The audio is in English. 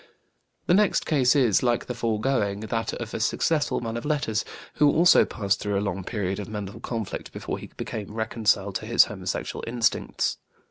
The next case is, like the foregoing, that of a successful man of letters who also passed through a long period of mental conflict before he became reconciled to his homosexual instincts.